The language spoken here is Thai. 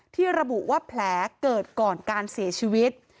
ที่ระบุว่าแผลเกิดก่อนการเสียชีวิต